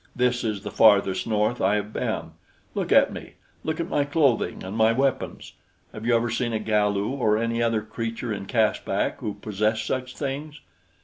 This is the farthest north I have been. Look at me look at my clothing and my weapons. Have you ever seen a Galu or any other creature in Caspak who possessed such things?"